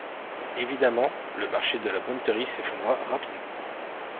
Évidemment, le marché de la bonneterie s’effondra rapidement.